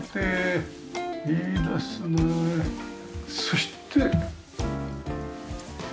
そして。